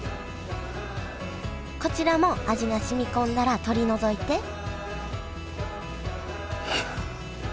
こちらも味が染み込んだら取り除いていや。